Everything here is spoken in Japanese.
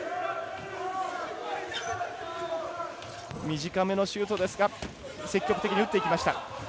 短めのシュートですが積極的に打ってきました。